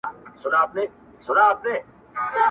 د غزل تر زړه دي نن ویني څڅېږي -